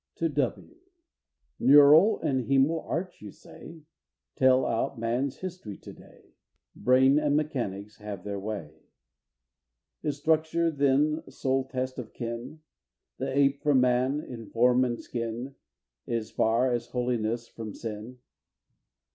TO W. I. "Neural and hæmal arch," you say, "Tell out man's history to day, Brain and mechanics have their way." Is structure then sole test of kin? The ape from man, in form and skin, Is far as holiness from sin!